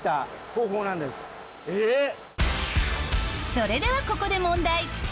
それではここで問題。